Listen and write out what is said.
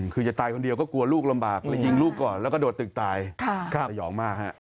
คือจะตายคนเดียวก็กลัวลูกลำบากเลยยิงลูกก่อนแล้วก็โดดตึกตายสยองมากฮะ